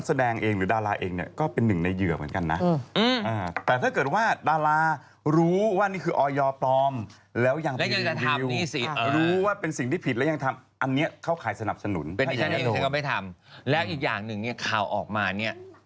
จริงก็ต้องรอดูกันต่อไป